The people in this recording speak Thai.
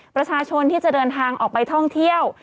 ประชาชนที่จะเดินทางออกไปท่องเที่ยว